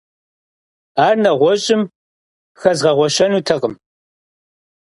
Ар нэгъуэщӀым хэзгъэгъуэщэнутэкъым.